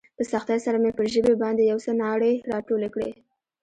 په سختۍ سره مې پر ژبې باندې يو څه ناړې راټولې کړې.